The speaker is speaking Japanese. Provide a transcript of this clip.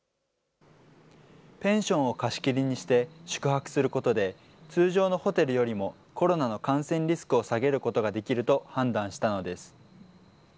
ペンションを貸し切りにして宿泊することで、通常のホテルよりもコロナの感染リスクを下げることができると判断したのです。